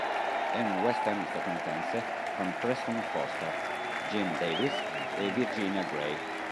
È un western statunitense con Preston Foster, Jim Davis e Virginia Grey.